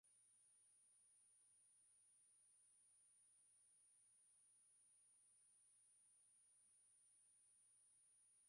na watu binafsi Imekuwa ikitoa majarida na vitabu